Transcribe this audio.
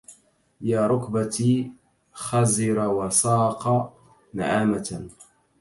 يا ركبتي خزر وساق نعامة